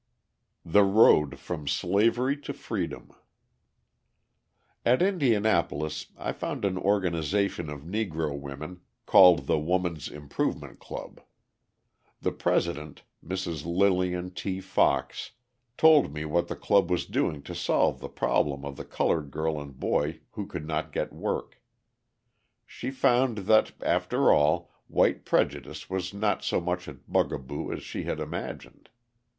The Road from Slavery to Freedom At Indianapolis I found an organisation of Negro women, called the Woman's Improvement Club. The president, Mrs. Lillian T. Fox, told me what the club was doing to solve the problem of the coloured girl and boy who could not get work. She found that, after all, white prejudice was not so much a bugaboo as she had imagined.